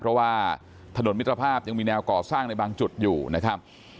เพราะว่าถนนมิตรภาพยังมีแนวก่อสร้างในบางจุดอยู่นะครับ